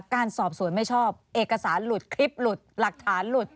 การสอบสวนไม่ชอบเอกสารหลุดคลิปหลุดหลักฐานหลุด